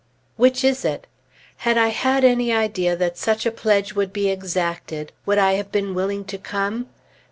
Which is it? Had I had any idea that such a pledge would be exacted, would I have been willing to come?